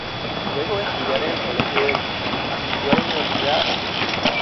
Luego de estudiar en el Colegio Eton, asistió a la Universidad St.